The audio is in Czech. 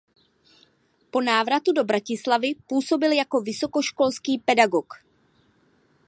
Po návratu do Bratislavy působil jako vysokoškolský pedagog.